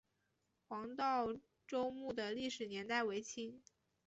黄道周墓的历史年代为清。